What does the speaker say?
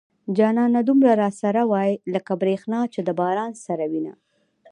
جانانه دومره را سره واي لکه بريښنا چې د بارانه سره وينه